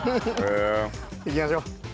いきましょう。